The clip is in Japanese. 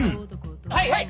はいはい！